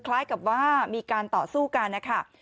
คล้ายกับว่ามีการต่อสู้กันนะคะ